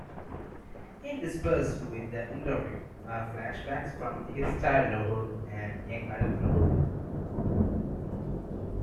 Interspersed with the interview, are flashbacks from his childhood and young-adulthood.